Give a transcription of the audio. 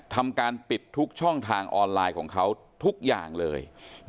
ทำการปิดทุกช่องทางออนไลน์ของเขาทุกอย่างเลย